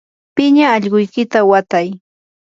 piña allquykita watay.